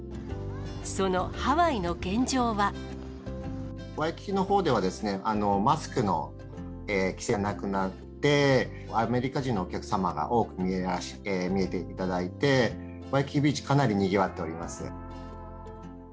ワイキキのほうでは、マスクの規制がなくなって、アメリカ人のお客様が多くいらして、見えていただいて、ワイキキビーチ、かなりにぎわっております。